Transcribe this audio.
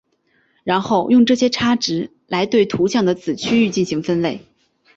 然后用这些差值来对图像的子区域进行分类。